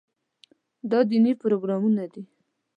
دا دیني پروګرامونه دي.